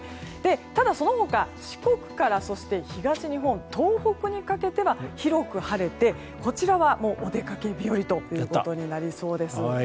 ただ、その他四国から東日本、東北にかけては広く晴れて、こちらはお出かけ日和ということになりそうです。